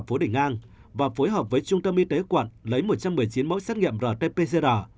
phố đình an và phối hợp với trung tâm y tế quận lấy một trăm một mươi chín mẫu xét nghiệm rt pcr